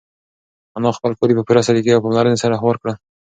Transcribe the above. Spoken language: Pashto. انا خپل کالي په پوره سلیقې او پاملرنې سره هوار کړل.